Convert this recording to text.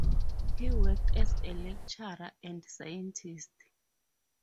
He worked as a lecturer and scientist.